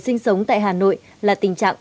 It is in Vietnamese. sinh sống tại hà nội là tình trạng